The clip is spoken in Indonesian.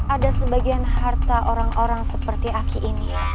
ada sebagian harta orang orang seperti aki ini